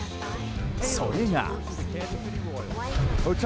それが。